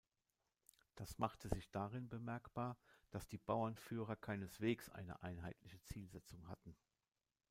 Das machte sich darin bemerkbar, dass die Bauernführer keineswegs eine einheitliche Zielsetzung hatten.